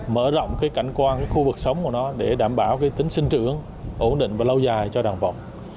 mở rộng cảnh quan khu vực sống của nó để đảm bảo tính sinh trưởng ổn định và lâu dài cho đàn vọc